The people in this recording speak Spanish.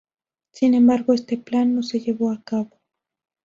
Sin embargo, este plan no se llevó a cabo.